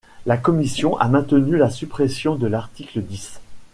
La commission a maintenu la suppression de l’article dix.